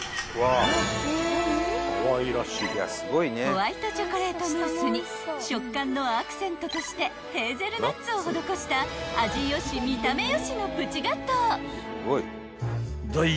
［ホワイトチョコレートムースに食感のアクセントとしてヘーゼルナッツを施した味よし見た目よしのプチガトー］